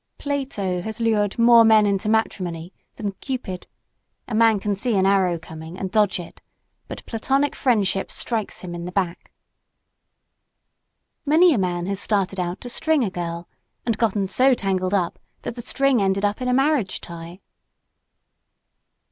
Plato has lured more men into matrimony than Cupid. A man can see an arrow coming and dodge it, but platonic friendship strikes him in the back. Many a man has started out to "string" a girl, and gotten so tangled up, that the string ended in a marriage tie.